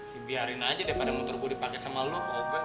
dibiarin aja deh pada motor gua dipake sama lu